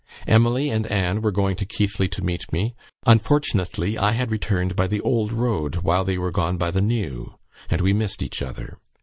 Emily and Anne were going to Keighley to meet me; unfortunately, I had returned by the old road, while they were gone by the new, and we missed each other.